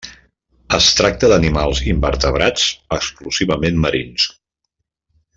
Es tracta d'animals invertebrats, exclusivament marins.